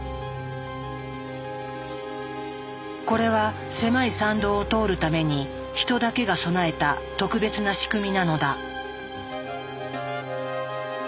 これは狭い産道を通るためにヒトだけが備えた特別な仕組みなのだ。